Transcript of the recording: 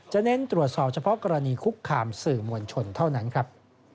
เน้นตรวจสอบเฉพาะกรณีคุกคามสื่อมวลชนเท่านั้นครับ